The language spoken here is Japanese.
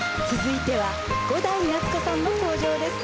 続いては伍代夏子さんの登場です。